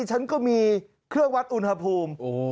ฉันก็มีเครื่องวัดอุณหภูมิ